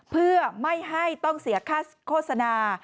เพื่อไม่ให้ต้องเสียค่าโฆษณา